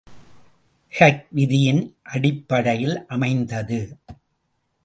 Hook விதியின் அடிப்படையில் அமைந்தது.